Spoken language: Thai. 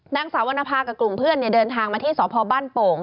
นางสาววรรณภากับกลุ่มเพื่อนเดินทางมาที่สพบ้านโป่ง